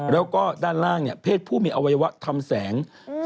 แล้วก็ด้านล่างเนี่ยเพศผู้มีอวัยวะทำแสง